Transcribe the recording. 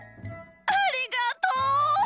ありがとう！